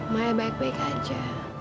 maya baik baik aja